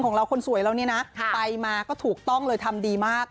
ของเราคนสวยเราเนี่ยนะไปมาก็ถูกต้องเลยทำดีมาก